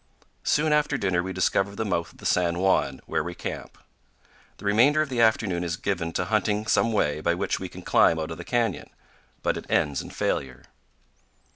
Soon after dinner we discover the mouth of the San Juan, where we camp. The remainder of the afternoon is given to hunting some way by which we can climb out of the canyon; but it ends in failure.